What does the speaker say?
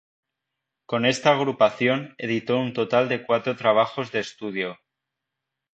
Con esta agrupación, editó un total de cuatro trabajos de estudio.